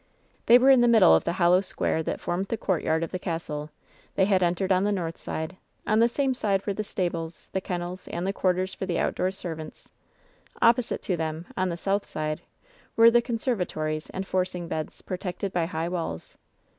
They were in the middle of the hollow square that formed the courtyard of the castle. They had entered on the north side. On the same side were the stables, the kennels and the quarters for the outdoor servants. Opposite to them, on the south side, were the conserva tories and forcing beds, protected by high walls.